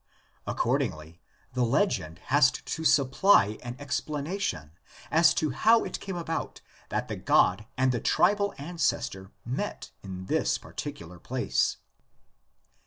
Accordingly the legend has to supply VARIETIES OF THE LEGENDS. 33 an explanation of how it came about that the God and the tribal ancestor met in this particular place.